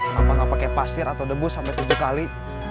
kenapa nggak pakai pasir atau debu sampai tujuh kali